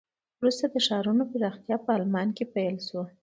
وروسته د ښارونو پراختیا په آلمان کې پیل شوه.